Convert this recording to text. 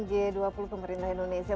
g dua puluh pemerintah indonesia